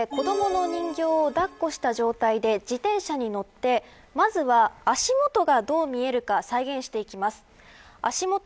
子どもの人形を抱っこした状態で自転車に乗ってまずは足元がどう見えるか再現していきます。